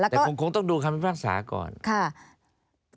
และแล้วก็แต่ก็คงต้องดูคำภาคศาสตร์ก่อนแล้วก็แต่ต้องดูคำภาคศาสตร์ค่ะ